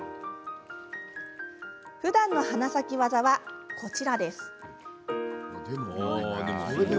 ふだんの花咲き技はこちらです。